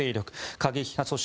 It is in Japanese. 過激派組織